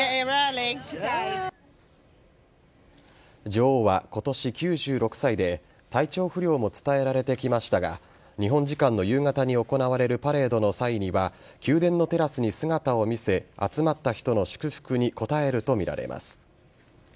女王は今年９６歳で体調不良も伝えられてきましたが日本時間の夕方に行われるパレードの際には宮殿のテラスに姿を見せ集まった人の祝福に応えるとみられます。